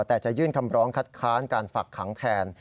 แต่จะยื่นคำร้องคัดค้านการฝักขังแทน